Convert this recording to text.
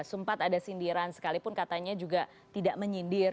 sempat ada sindiran sekalipun katanya juga tidak menyindir